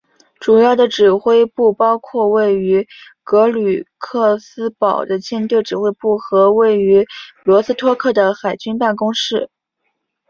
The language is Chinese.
主要的指挥部包括位于格吕克斯堡的舰队指挥部和位于罗斯托克的海军办公室。